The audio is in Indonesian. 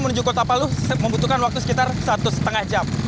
menuju kota palu membutuhkan waktu sekitar satu lima jam